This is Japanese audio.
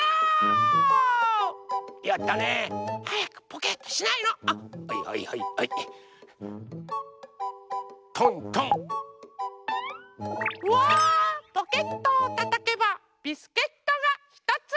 ポケットをたたけばビスケットがひとつ！